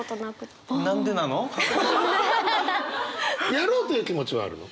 やろうという気持ちはあるの？